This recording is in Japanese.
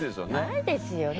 ないですよね？